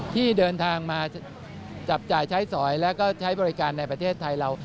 ที่เดินทางมาจับจ่ายใช้สอยแล้วก็ใช้บริการในประเทศไทยเรา